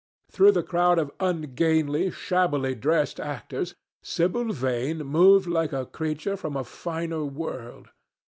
Through the crowd of ungainly, shabbily dressed actors, Sibyl Vane moved like a creature from a finer world.